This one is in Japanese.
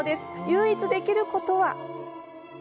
唯一できることは。